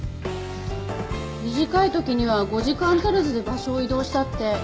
短い時には５時間足らずで場所を移動したって。